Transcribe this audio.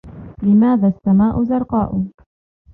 لماذا السماء زرقاء؟